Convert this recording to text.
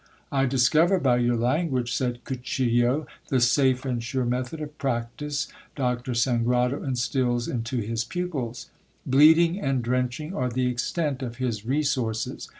I dis cover by your language, said Cuchillo, the safe and sure method of practice Doctor Sangrado instils into his pupils. Bleeding and drenching are the extent of his resources.